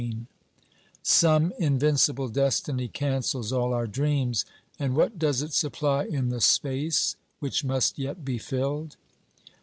OBERMANN 321 Some invincible destiny cancels all our dreams, and what does it supply in the space which must yet be filled